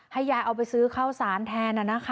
ให้ยายเอาไปซื้อเข้าสรานแทนนะคะ